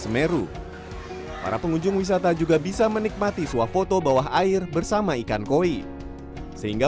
semeru para pengunjung wisata juga bisa menikmati suah foto bawah air bersama ikan koi sehingga